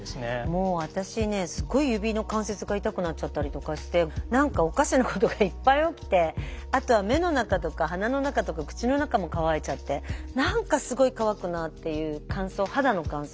もう私ねすごい指の関節が痛くなっちゃったりとかして何かおかしなことがいっぱい起きてあとは目の中とか鼻の中とか口の中も乾いちゃって何かすごい乾くなっていう乾燥肌の乾燥。